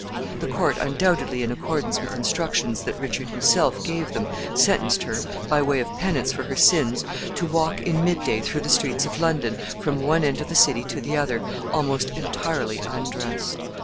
The court, undoubtedly in accordance with instructions that Richard himself gave them, sentenced her, by way of penance for her sins, to walk in midday through the streets of London, from one end of the city to the other, almost entirely undressed.